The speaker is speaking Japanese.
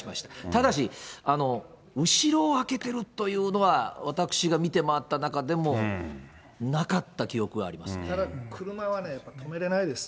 ただし、後ろを空けてるというのは、私が見て回った中でも、なかった記憶ただ車はね、止めれないです。